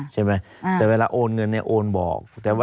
ใช่ไหมแต่เวลาโอนเงินเนี่ยโอนบอก